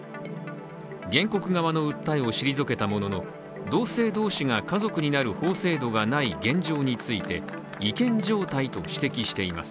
原告側の訴えを退けたものの、同性同士が家族になる法制度がない現状について違憲状態と指摘しています。